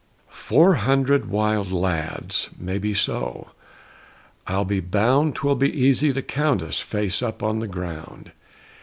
"Four hundred wild lads!" Maybe so. I'll be bound 'Twill be easy to count us, face up, on the ground.